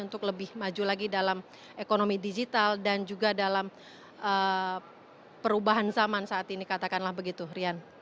untuk lebih maju lagi dalam ekonomi digital dan juga dalam perubahan zaman saat ini katakanlah begitu rian